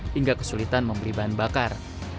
hingga kesulitan memberi bantuan